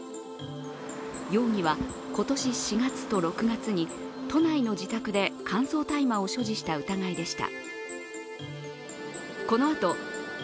容疑は今年４月と６月に都内の自宅で乾燥大麻を所持した疑いでした。